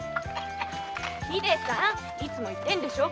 秀さんいつも言ってるでしょ。